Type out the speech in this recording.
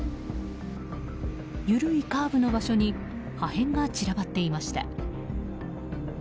緩いカーブの場所に破片が散らばっていました。